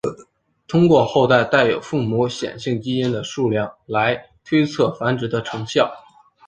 通过后代带有父母显性基因的数量来推测繁殖的成效。